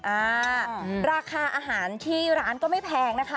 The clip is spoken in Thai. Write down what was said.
อ่าราคาอาหารที่ร้านก็ไม่แพงนะคะ